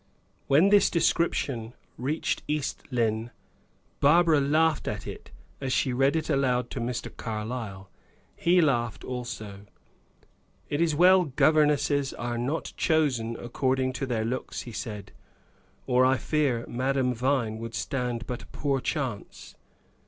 When this description reached East Lynne, Barbara laughed at it as she read it aloud to Mr. Carlyle. He laughed also. "It is well governesses are not chosen according to their looks," he said, "or I fear Madame Vine would stand but a poor chance."